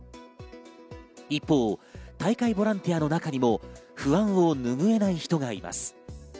一方、大会ボランティアの中にも不安をぬぐえない人がいます。